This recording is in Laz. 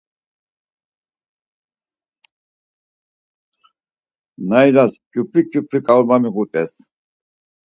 Naylaz kyupi kyupi ǩaurma miǧut̆es.